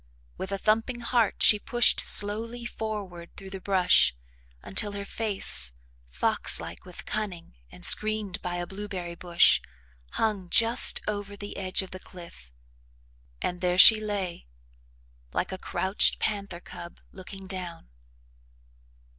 With a thumping heart she pushed slowly forward through the brush until her face, fox like with cunning and screened by a blueberry bush, hung just over the edge of the cliff, and there she lay, like a crouched panther cub, looking down.